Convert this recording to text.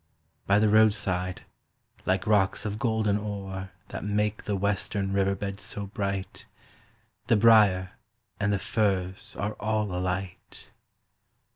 By the roadside, like rocks of golden ore That make the western river beds so bright, The briar and the furze are all alight!